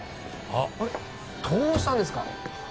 あっどうしたんですか？